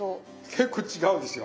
結構違うんですよ。